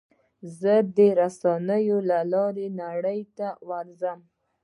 زه د رسنیو له لارې نړۍ ته ورځم.